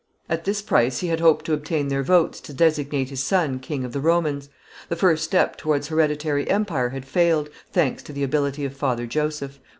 At this price he had hoped to obtain their votes to designate his son King of the Romans; the first step towards hereditary empire had failed, thanks to the ability of Father Joseph.